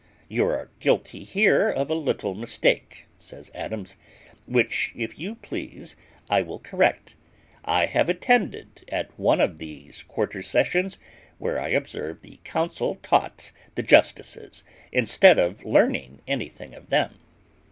"You are here guilty of a little mistake," says Adams, "which, if you please, I will correct: I have attended at one of these quarter sessions, where I observed the counsel taught the justices, instead of learning anything of them."